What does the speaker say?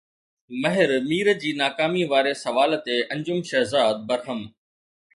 مهر مير جي ناڪامي واري سوال تي انجم شهزاد برهم